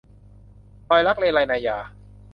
รอยรักเรไร - นายา